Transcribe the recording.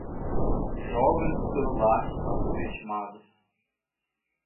Jogos de celular são subestimados